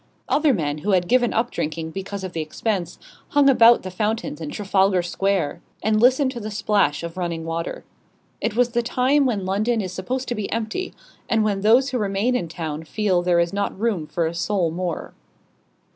Other men, who had given up drinking because of the expense, hung about the fountains in Trafalgar Square and listened to the splash of running water. It was the time when London is supposed to be empty; and when those who remain in town feel there is not room for a soul more.